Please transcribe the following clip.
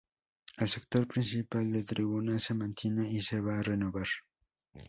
El sector principal de tribunas se mantiene y se va a renovar.